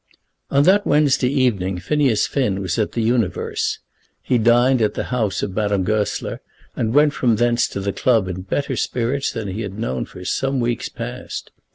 On that Wednesday evening Phineas Finn was at The Universe. He dined at the house of Madame Goesler, and went from thence to the club in better spirits than he had known for some weeks past.